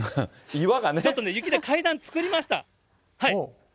ちょっとね、雪で階段作りました。